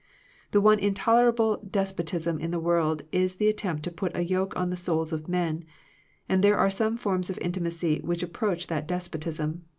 The one intolerable despot ism in the world is the attempt to put a yoke on the souls of men, and there are some forms of intimacy which approach that despotism.